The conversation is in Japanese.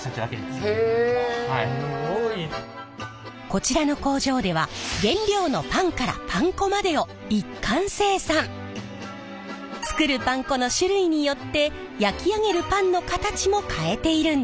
こちらの工場では作るパン粉の種類によって焼き上げるパンの形も変えているんです！